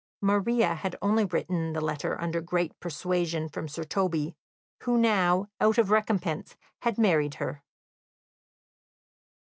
Maria had only written the letter under great persuasion from Sir Toby, who now, out of recompense, had married her.